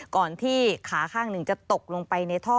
ก่อนที่ขาข้างหนึ่งจะตกลงไปในท่อ